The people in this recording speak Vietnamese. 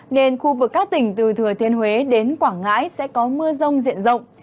nên khu vực các tỉnh từ thừa thiên huế đến quảng ngãi sẽ có mưa rông diện rộng